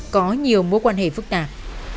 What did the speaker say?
có nhiều mối quan hệ phức tạp